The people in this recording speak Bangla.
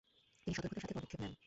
তিনি সতর্কতার সাথে পদক্ষেপ নেন।